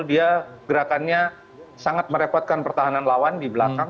dia gerakannya sangat merepotkan pertahanan lawan di belakang